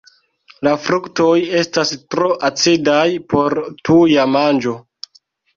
La fruktoj estas tro acidaj por tuja manĝo.